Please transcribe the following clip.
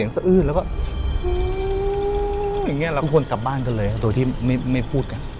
ทุกคนกลับบ้านกันเลยโดยที่ไม่พูดกัน